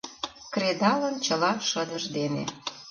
Кредалын чыла шыдыж дене